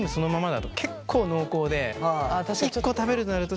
一個食べるとなると。